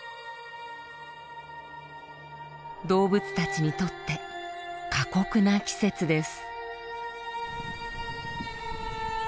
動物たちにとって過酷な季節です。